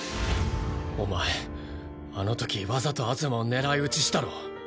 お前あの時わざと梓馬を狙い打ちしたろ。